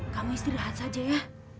kamu istirahat saja ya